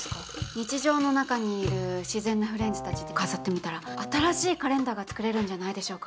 日常の中にいる自然なフレンズたちで飾ってみたら新しいカレンダーが作れるんじゃないでしょうか。